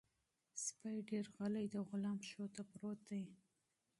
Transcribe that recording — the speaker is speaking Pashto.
سپی په ډېر ارامۍ سره د غلام پښو ته پروت دی.